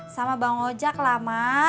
sama bang ojek lah ma